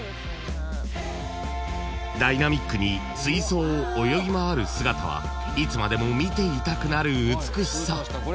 ［ダイナミックに水槽を泳ぎ回る姿はいつまでも見ていたくなる美しさ］